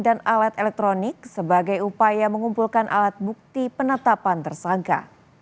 dan alat elektronik sebagai upaya mengumpulkan alat bukti penetapan tersangka